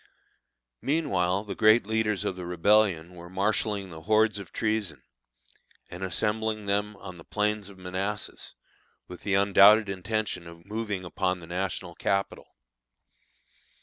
Meanwhile the great leaders of the Rebellion were marshalling the hordes of treason, and assembling them on the plains of Manassas, with the undoubted intention of moving upon the national capital.